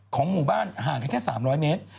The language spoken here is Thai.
ของหมู่บ้านห่างกันแค่๓๐๐เมตร